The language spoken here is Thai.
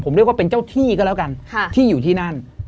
ผมเรียกว่าเป็นเจ้าที่ก็แล้วกันที่อยู่ที่นั่น